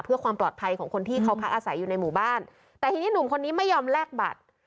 เพื่อความปลอดภัยของคนที่เขาพักอาศัยอยู่ในหมู่บ้านแต่ทีนี้หนุ่มคนนี้ไม่ยอมแลกบัตร